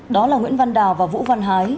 đó là nguyễn văn đào và vũ văn hái